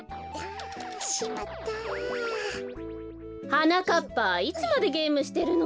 はなかっぱいつまでゲームしてるの？